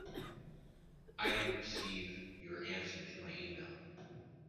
I didn’t received your answer to my email.